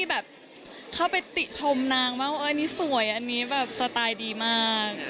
แล้วก็เข้าไปติฉมนางว่าอันนี้สวยอันนี้สไตล์ดีมาก